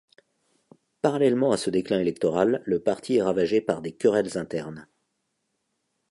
Parallèlement à ce déclin électoral, le parti est ravagé par des querelles internes.